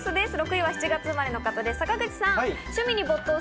６位は７月生まれの方です、坂口さん。